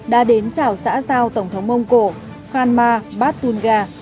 đã đến chào xã giao tổng thống mông cổ khan ma batunga